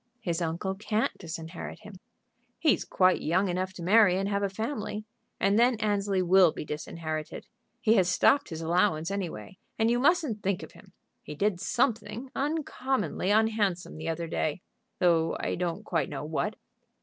"His uncle can't disinherit him." "He's quite young enough to marry and have a family, and then Annesley will be disinherited. He has stopped his allowance, anyway, and you mustn't think of him. He did something uncommonly unhandsome the other day, though I don't quite know what."